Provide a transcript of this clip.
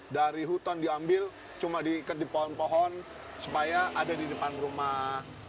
dari hutan diambil cuma diikat di pohon pohon supaya ada di depan rumah